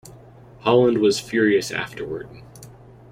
Holland was furious afterward.